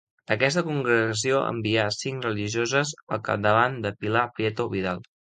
Aquesta congregació envià cinc religioses al capdavant de Pilar Prieto Vidal.